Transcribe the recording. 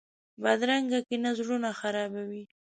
بدرنګه کینه زړونه خرابوي